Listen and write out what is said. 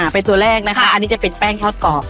เป็นตัวแรกนะคะอันนี้จะเป็นแป้งทอดกรอบ